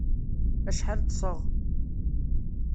Acḥal ṭṭseɣ?